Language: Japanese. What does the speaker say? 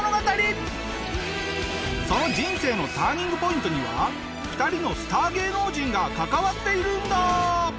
その人生のターニングポイントには２人のスター芸能人が関わっているんだ！